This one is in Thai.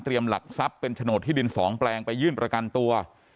หลักทรัพย์เป็นโฉนดที่ดิน๒แปลงไปยื่นประกันตัว